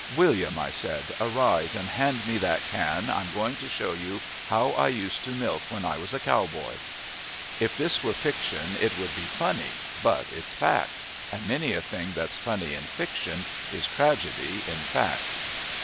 "William," I said, "arise and hand me that can! I'm going to show you how I used to milk when I was a cowboy!" If this were fiction it would be funny, but it's fact; and many a thing that's funny in fiction is tragedy in fact.